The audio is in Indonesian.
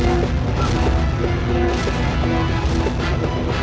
hah taruh di sini mam